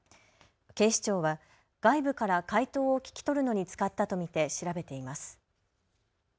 警視庁は外部から解答を聞き取るのに使ったと見て調べています。